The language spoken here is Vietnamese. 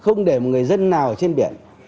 không để một người dân nào ở trên biển